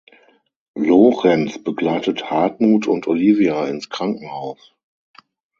Lorenz begleitet Hartmut und Olivia ins Krankenhaus.